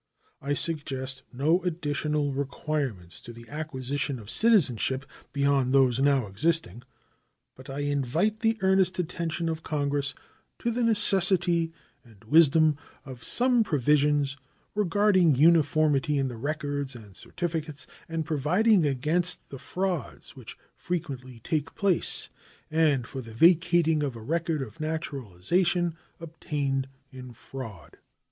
I suggest no additional requirements to the acquisition of citizenship beyond those now existing, but I invite the earnest attention of Congress to the necessity and wisdom of some provisions regarding uniformity in the records and certificates, and providing against the frauds which frequently take place and for the vacating of a record of naturalization obtained in fraud.